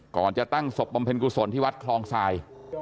ก่อนจะตั้งศพบำเพ็ญกุศลที่วัดคลองทราย